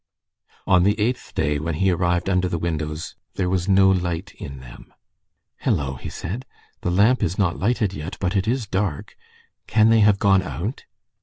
On the eighth day, when he arrived under the windows, there was no light in them. "Hello!" he said, "the lamp is not lighted yet. But it is dark. Can they have gone out?"